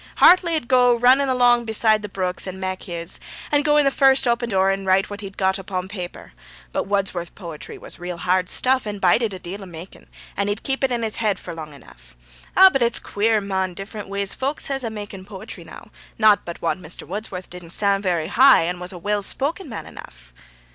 Hartley 'ud goa running along beside o' the brooks and mak his, and goa in the first oppen door and write what he had got upo' paper. But Wudsworth's potry was real hard stuff, and bided a deal of makking, and he'd keep it in his head for long enough. Eh, but it's queer, mon, different ways folks hes of making potry now ... Not but what Mr. Wudsworth didn't stand very high, and was a well spoken man enough.'